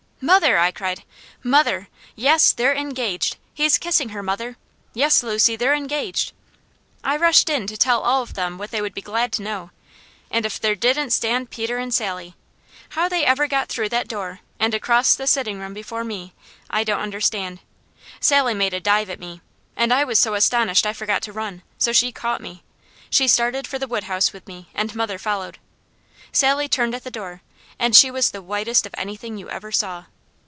"Mother!" I cried. "Mother! Yes! They're engaged! He's kissing her, mother! Yes, Lucy, they're engaged!" I rushed in to tell all of them what they would be glad to know, and if there didn't stand Peter and Sally! How they ever got through that door, and across the sitting room before me, I don't understand. Sally made a dive at me, and I was so astonished I forgot to run, so she caught me. She started for the wood house with me, and mother followed. Sally turned at the door and she was the whitest of anything you ever saw.